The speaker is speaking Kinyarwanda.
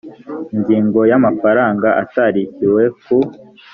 ingano y amafaranga atarishyuwe ku